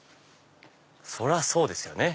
そりゃそうですよね